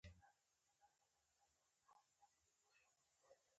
• خندېدونکی انسان د ټولو محبوب وي.